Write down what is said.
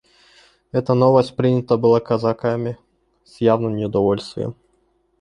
Эта новость принята была казаками с явным неудовольствием.